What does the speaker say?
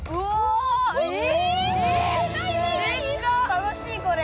楽しいこれ。